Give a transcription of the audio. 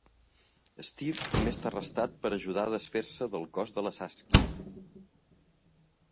Steve també està arrestat per ajudar a desfer-se del cos de la Saskia.